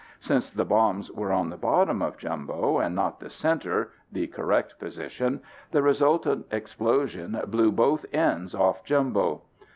Since the bombs were on the bottom of Jumbo, and not the center (the correct position), the resultant explosion blew both ends off Jumbo.